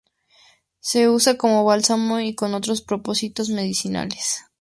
Se usa como bálsamo y con otros propósitos medicinales.